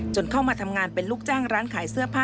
เข้ามาทำงานเป็นลูกจ้างร้านขายเสื้อผ้า